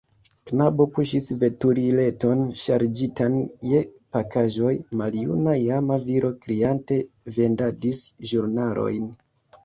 Knabo puŝis veturileton ŝarĝitan je pakaĵoj; maljuna lama viro kriante vendadis ĵurnalojn.